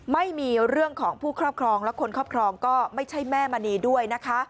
ไม่มีเรื่องของผู้ครอบครองและคนครอบครองก็ไม่ใช่แม่มณีด้วยนะคะ